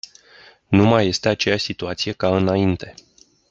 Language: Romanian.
Nu mai este aceeași situație ca înainte.